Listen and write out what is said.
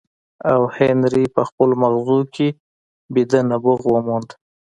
او هنري په خپلو ماغزو کې ويده نبوغ وموند.